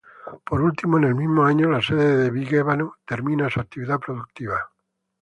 Por último, en el mismo año, la sede de Vigevano termina su actividad productiva.